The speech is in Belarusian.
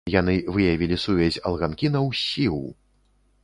Яны выявілі сувязь алганкінаў з сіў.